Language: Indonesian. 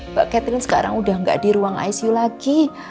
mbak catherine sekarang udah nggak di ruang icu lagi